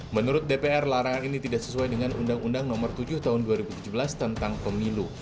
menurut dpr larangan ini tidak sesuai dengan undang undang nomor tujuh tahun dua ribu tujuh belas tentang pemilu